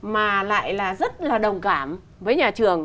mà lại là rất là đồng cảm với nhà trường